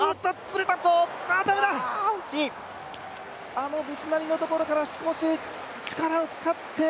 あのブスナリのところから少し力を使って。